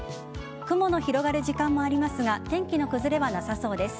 雲の広がる時間もありますが天気の崩れはなさそうです。